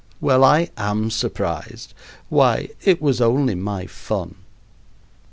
Well, I am surprised. Why, it was only my fun."